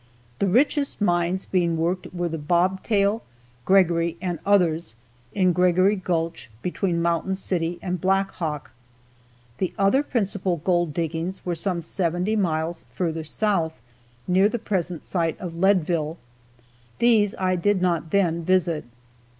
The richest mines being worked were the Bobtail, Gregory, and others, in Gregory gulch between Mountain City and Blackhawk. The other principal gold diggings were some seventy miles further south, near the present site of Leadville. These I did not then visit.